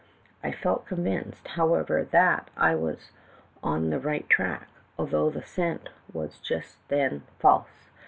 "I felt convinced, however, that I was on the right track, although the scent was just then false.